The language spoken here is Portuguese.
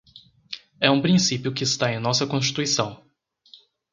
é um princípio que está em nossa Constituição